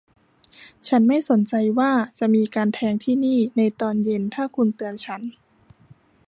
ฉันไม่สนใจว่าจะมีการแทงที่นี่ในตอนเย็นถ้าคุณเตือนฉัน